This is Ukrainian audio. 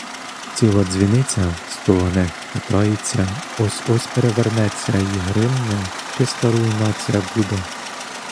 Ціла дзвіниця стогне, хитається, ось-ось перевернеться й гримне — чиста руйнація буде!